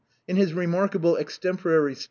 In his remarkable extemporary speech.